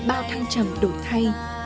bao thăng trầm đổi thay